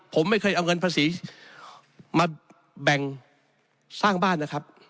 ผมไม่เคยเอาเงินภาษีมาแบ่งสร้างบ้านนะครับ